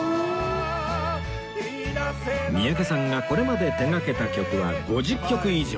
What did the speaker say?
三宅さんがこれまで手掛けた曲は５０曲以上